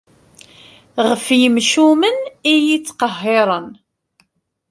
Ɣef yimcumen i yi-ittqehhiren.